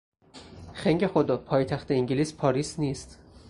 خنگ خدا، پایتخت انگلیس پاریس نیست!